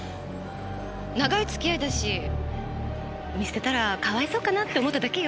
長い付き合いだし見捨てたらかわいそうかなって思っただけよ。